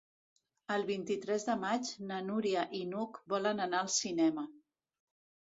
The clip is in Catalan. El vint-i-tres de maig na Núria i n'Hug volen anar al cinema.